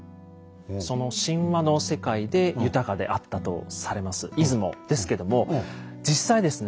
その神話の世界で豊かであったとされます出雲ですけども実際ですね